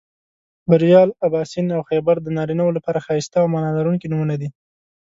بریال، اباسین او خیبر د نارینهٔ و لپاره ښایسته او معنا لرونکي نومونه دي